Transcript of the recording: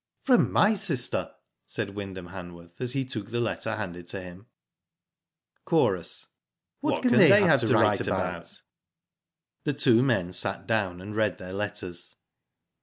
"From my sister," said Wyndham Hanworth, as he took the letter handed to him. Chorus: "What can they have to write about?" The two men sat down, and read their letters.